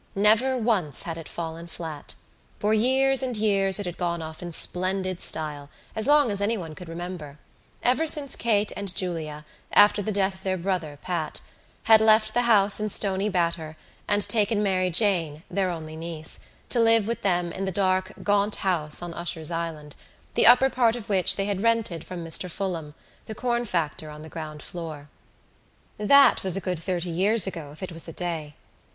Never once had it fallen flat. For years and years it had gone off in splendid style as long as anyone could remember; ever since Kate and Julia, after the death of their brother Pat, had left the house in Stoney Batter and taken Mary Jane, their only niece, to live with them in the dark gaunt house on Usher's Island, the upper part of which they had rented from Mr Fulham, the corn factor on the ground floor. That was a good thirty years ago if it was a day.